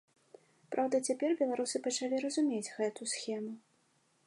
Праўда, цяпер беларусы пачалі разумець гэту схему.